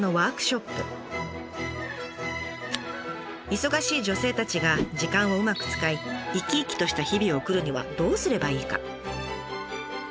忙しい女性たちが時間をうまく使い生き生きとした日々を送るにはどうすればいいか。